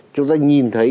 chúng ta nhìn thấy